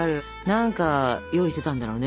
何か用意してたんだろうね